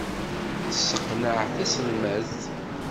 Tesseqneɛ taselmadt.